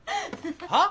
はっ？